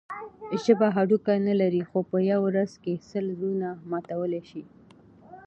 ژبه هډوکی نه لري؛ خو په یوه ورځ کښي سل زړونه ماتولای سي.